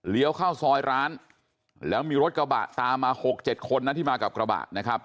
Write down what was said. เข้าซอยร้านแล้วมีรถกระบะตามมา๖๗คนนะที่มากับกระบะนะครับ